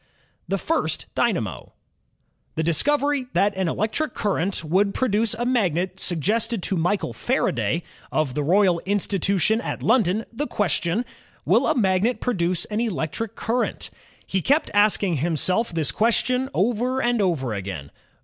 The First Dynamo The discovery that an electric current would produce a magnet suggested to Michael Faraday, of the Royal Institution at London, the question, Will a magnet pro duce an electric current? He kept asking himself this question over and over again.